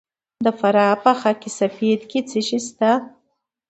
د فراه په خاک سفید کې څه شی شته؟